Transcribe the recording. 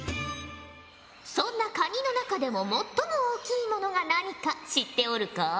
そんなカニの中でも最も大きいものが何か知っておるか？